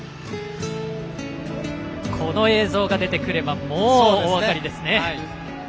この映像が出てくればもう、お分かりですね。